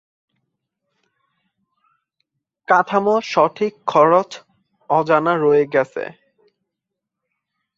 কাঠামো সঠিক খরচ অজানা রয়ে গেছে।